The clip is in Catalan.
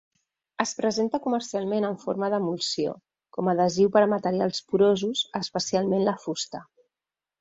Es presenta comercialment en forma d'emulsió, com adhesiu per a materials porosos, especialment la fusta.